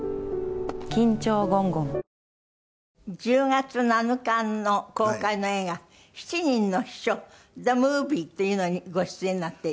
１０月７日の公開の映画『七人の秘書ＴＨＥＭＯＶＩＥ』というのにご出演になっている。